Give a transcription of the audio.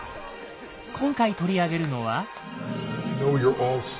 今回取り上げるのは？